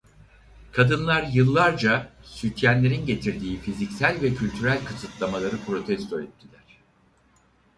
Kadınlar yıllarca sütyenlerin getirdiği fiziksel ve kültürel kısıtlamaları protesto ettiler.